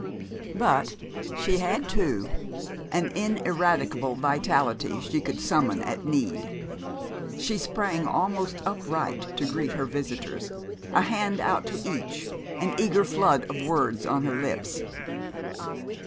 But she had, too, an ineradicable vitality she could summon at need. She sprang almost upright to greet her visitors, a hand out to each, an eager flood of words on her lips.